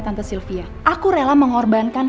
tante sylvia aku rela mengorbankan